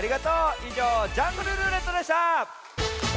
いじょう「ジャングルるーれっと」でした！